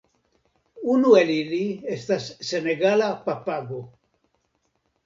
Unu el ili estas senegala papago.